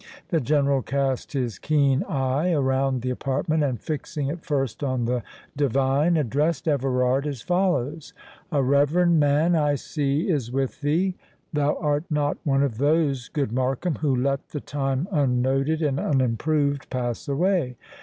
The General cast his keen eye around the apartment, and fixing it first on the divine, addressed Everard as follows: "A reverend man I see is with thee. Thou art not one of those, good Markham, who let the time unnoted and unimproved pass away.